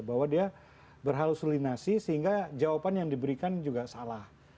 bahwa dia berhalusinasi sehingga jawaban yang diberikan juga salah